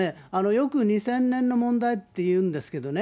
よく２０００年の問題っていうんですけどね。